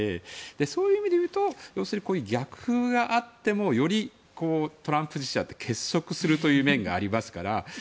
そういう意味で言うと逆風があってもよりトランプ支持者って結束するという面がありますから。